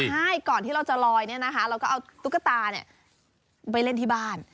ใช่ก่อนที่เราจะลอยเราก็เอาตุ๊กตาไปเล่นที่บ้าน